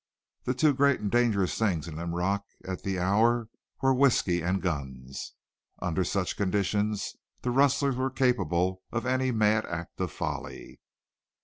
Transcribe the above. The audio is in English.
The two great and dangerous things in Linrock at the hour were whisky and guns. Under such conditions the rustlers were capable of any mad act of folly.